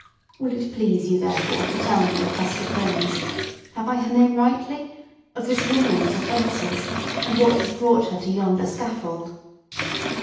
Will it please you, therefore, to tell me of Hester Prynne's—have I her name rightly?—of this woman's offences, and what has brought her to yonder scaffold?"